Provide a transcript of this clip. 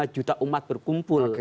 lima juta umat berkumpul